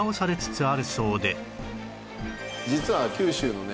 実は九州のね